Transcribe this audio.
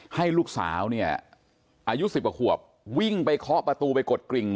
ให้ลูกสาวเนี่ยอายุ๑๐กว่าขวบวิ่งไปเคาะประตูไปกดกริ่ง